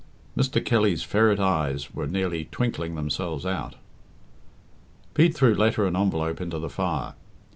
Mr. Kelly's ferret eyes were nearly twinkling themselves out. Pete threw letter and envelope into the fire.